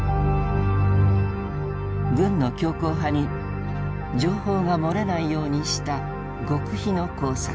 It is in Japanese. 軍の強硬派に情報が漏れないようにした極秘の工作。